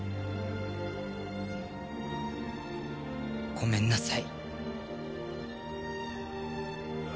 ごめんなさい。